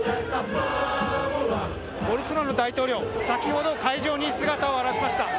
ボルソナロ大統領が先ほど会場に姿を現しました。